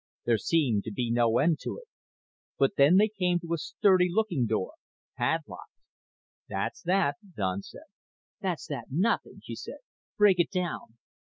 There seemed to be no end to it. But then they came to a sturdy looking door, padlocked. "That's that," Don said. "That's that nothing," she said. "Break it down."